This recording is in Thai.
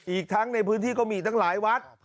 อีกทั้งในพื้นที่ก็มีตั้งหลายวัด